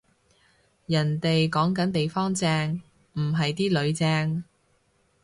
人哋講緊地方正，唔係啲囡正